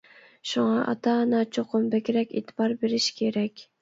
شۇڭا ئاتا-ئانا چوقۇم بەكرەك ئېتىبار بېرىش كېرەك.